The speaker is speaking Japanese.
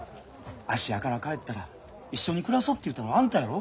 芦屋から帰ったら一緒に暮らそうって言うたのあんたやろ？